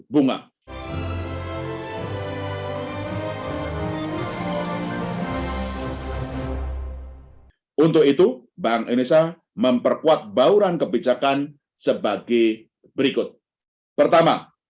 untuk itu bank indonesia memperkuat bauran kebijakan sebagai berikut pertama